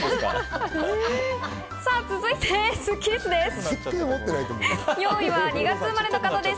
続いてスッキりすです。